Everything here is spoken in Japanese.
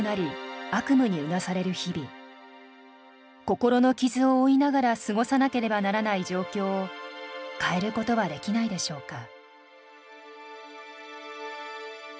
心の傷を負いながら過ごさなければならない状況を変えることはできないでしょうか」。